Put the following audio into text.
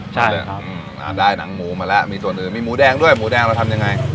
ใช่เลยครับได้หนังหมูมาแล้วมีส่วนอื่นมีหมูแดงด้วยหมูแดงเราทำยังไง